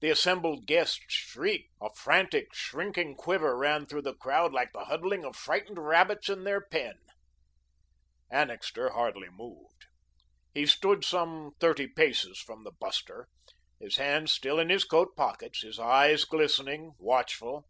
The assembled guests shrieked, a frantic, shrinking quiver ran through the crowd like the huddling of frightened rabbits in their pen. Annixter hardly moved. He stood some thirty paces from the buster, his hands still in his coat pockets, his eyes glistening, watchful.